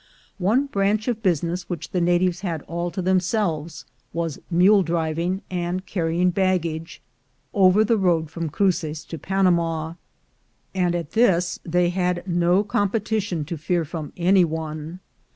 One branch of business which the natives had all to themselves was mule driving, and carrying baggage over the road from Cruces to Panama, and at this they had no competition to fear from any one.